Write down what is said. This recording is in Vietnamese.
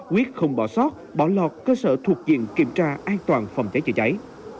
quyết không bỏ sót bỏ lọt cơ sở thuộc diện kiểm tra an toàn phòng cháy chữa cháy